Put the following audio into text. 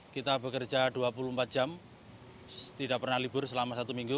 kita bekerja dua puluh empat jam tidak pernah libur selama satu minggu